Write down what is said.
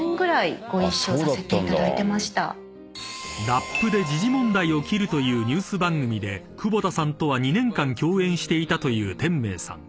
［ラップで時事問題を斬るというニュース番組で久保田さんとは２年間共演していたという天明さん］